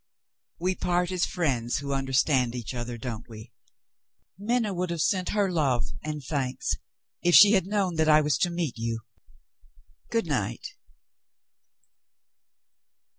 We part as friends who understand each other, don't we? Minna would have sent her love and thanks, if she had known I was to meet you. Good night."